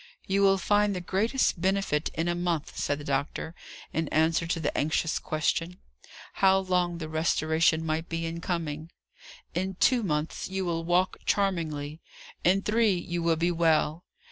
"You will find the greatest benefit in a month," said the doctor, in answer to the anxious question, How long the restoration might be in coming. "In two months you will walk charmingly; in three, you will be well."